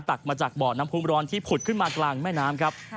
ตักมาจากบ่อน้ำพลวงที่ผัดขึ้นมากระหล่างแม่น้ำครับ